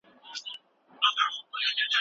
تاسو د خپل ذهن په ارام ساتلو بوخت یاست.